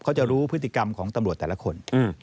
เขาจะรู้พฤติกรรมของตำรวจแต่ละคน